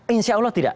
insya allah tidak